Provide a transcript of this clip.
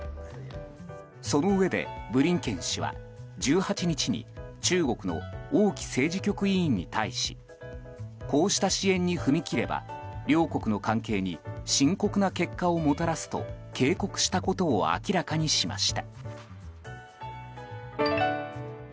そのうえでブリンケン氏は１８日に中国の王毅政治局委員に対しこうした支援に踏み切れば両国の関係に深刻な結果をもたらすと警告したことを明らかにしました。